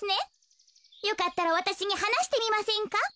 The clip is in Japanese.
よかったらわたしにはなしてみませんか？